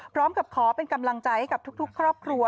พร้อมกับขอเป็นกำลังใจให้กับทุกครอบครัว